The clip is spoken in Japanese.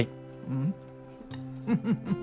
うん。